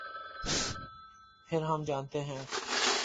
پھر ہم جانتے ہیں۔